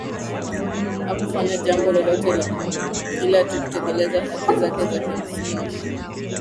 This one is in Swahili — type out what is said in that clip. hakufanya jambo lolote ila tu kutekeleza haki zake za kimsingi